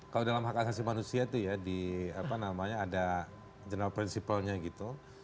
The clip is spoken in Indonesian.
kalau dalam hak asasi manusia itu ya di apa namanya ada general principle nya gitu